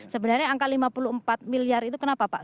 sebenarnya angka lima puluh empat miliar itu kenapa pak